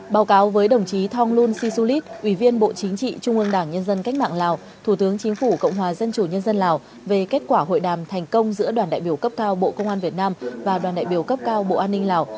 báo cáo với đồng chí thonglun sisulit ủy viên bộ chính trị trung ương đảng nhân dân cách mạng lào thủ tướng chính phủ cộng hòa dân chủ nhân dân lào về kết quả hội đàm thành công giữa đoàn đại biểu cấp cao bộ công an việt nam và đoàn đại biểu cấp cao bộ an ninh lào